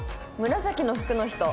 「紫の服の人」。